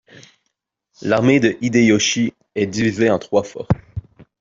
L'armée de Hideyoshi est divisée en trois forces.